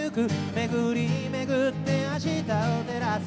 「巡り巡って明日を照らす」